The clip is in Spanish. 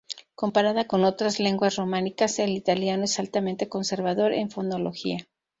Comparada con otras lenguas románicas el italiano es altamente conservador en fonología.